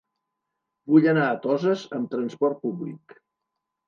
Vull anar a Toses amb trasport públic.